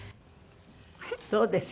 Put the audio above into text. どうです？